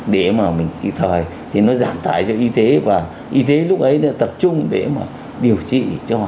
để mà mình kịp thời thì nó giảm tải cho y tế và y tế lúc ấy nó tập trung để mà điều trị cho